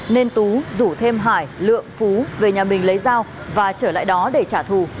nên tú rủ thêm hải lượng phú về nhà mình lấy dao và trở lại đó để trả thù